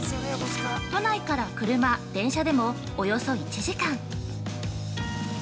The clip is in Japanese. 都内から車・電車でもおよそ１時間。